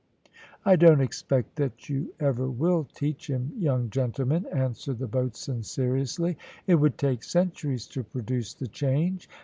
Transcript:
"I don't expect that you ever will teach him, young gentlemen," answered the boatswain seriously. "It would take centuries to produce the change.